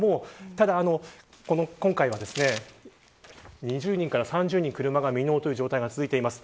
ただ、今回は２０人から３０人車が未納という状態が続いています。